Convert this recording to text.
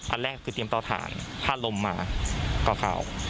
อันแรกคือเตรียมเตาถ่างถ้าลมมาก็เข้า